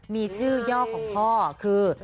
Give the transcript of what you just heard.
มีชื่อย่อของพ่อคือ